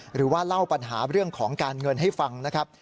หรือว่าเล่าปัญหาเรื่องของการเงินให้ฟังนะครับ